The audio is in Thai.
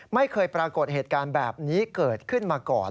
ไม่เคยปรากฏเหตุการณ์แบบนี้เกิดขึ้นมาก่อน